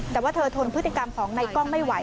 แต่ว่าเธอทนพฤติกรรมของในกล้องไม่ไหว